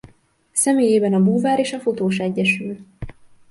Személyében a búvár és a fotós egyesül.